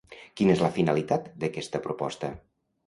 Quina és la finalitat d'aquesta proposta?